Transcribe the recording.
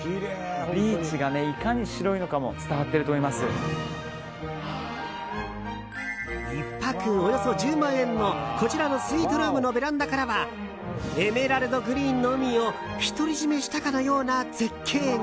ビーチがいかに白いのかも１泊およそ１０万円のこちらのスイートルームのベランダからはエメラルドグリーンの海を独り占めしたかような絶景が。